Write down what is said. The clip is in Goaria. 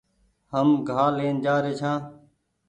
هم گآ لين جآري ڇآن